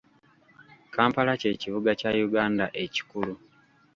Kampala ky'ekibuga kya Uganda ekikulu.